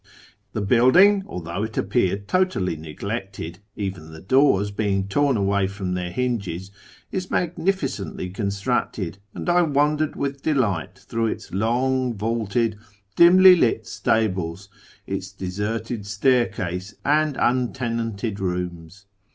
The building, although it appeared totally neglected, even the doors being torn away from their hinges, is magnificently constructed, and I wandered with delight through its long, vaulted, dimly lit stables, its deserted staircases, and untenanted rooms.